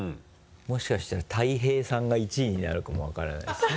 もしかしたら大平さんが１位になるかも分からないですね。